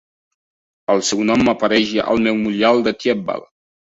El seu nom apareix al Memorial de Thiepval.